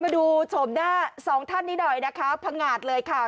มาดูส่งหน้า๒ท่านิดหน่อยนะคะภังงาถเลยค่ะ